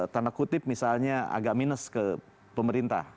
tanda kutip misalnya agak minus ke pemerintah